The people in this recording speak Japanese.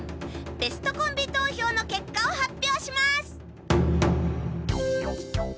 ベストコンビ投票のけっかを発表します！